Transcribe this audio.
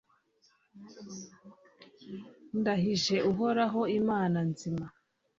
ndahije uhoraho imana nzima